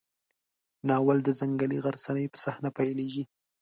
ناول د ځنګلي غرڅنۍ په صحنه پیلېږي.